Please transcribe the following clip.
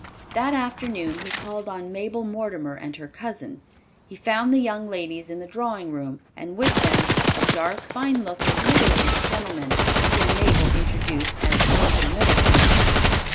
That afternoon he called on Mabel Mortimer and her cousin. He found the young ladies in the drawing room, and with them a dark, fine looking, middle aged gentleman, whom Mabel introduced as Mr. Middleton.